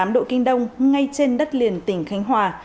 một trăm linh tám tám độ kinh đông ngay trên đất liền tỉnh khánh hòa